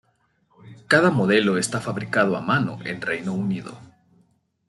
Cada modelo está fabricado a mano en Reino Unido.